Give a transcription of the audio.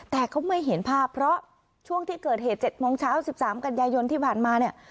แต่เขาไม่เห็นภาพเพราะช่วงที่เกิดเหตุ๗โมงเช้า๑๓กันยายนที่ผ่านมาเนี่ย